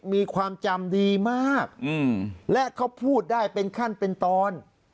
มีความจำดีมากและเขาพูดได้เป็นขั้นเป็นตอน